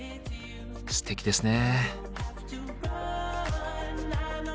すてきですね。